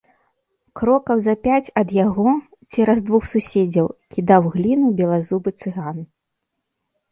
Крокаў за пяць ад яго, цераз двух суседзяў, кідаў гліну белазубы цыган.